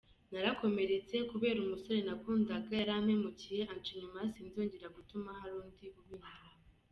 Narakomeretse kubera ko umusore nakundaga yarampemukiye anca inyuma, sinzongera gutuma hari undi ubinkora.